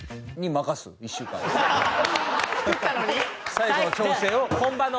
最後の調整を。